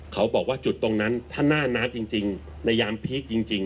เขาบอกว่าจุดตรงนั้นถ้าหน้าน้ำจริงในยามพีคจริง